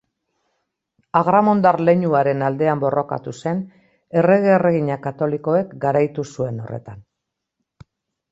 Agramondar leinuaren aldean borrokatu zen, Errege-Erregina Katolikoek garaitu zuen horretan.